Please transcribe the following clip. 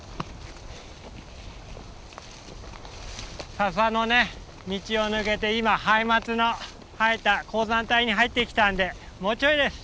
ササの道を抜けて今ハイマツの生えた高山帯に入ってきたんでもうちょいです。